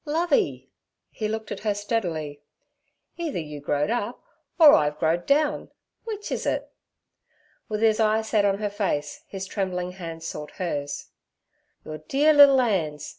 'Lovey'—he looked at her steadily—'either you growed up or I've growed down; w'ich is it?' With his eye set on her face, his trembling hands sought hers. 'Your dear liddle 'ands.